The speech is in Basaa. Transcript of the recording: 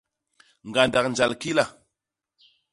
Ñgandak njal kila!